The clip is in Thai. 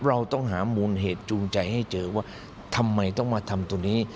เราต้องหามูลเหตุจูงใจให้เจอว่าทำไมต้องมาทำตรงนี้